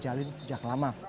terjalin sejak lama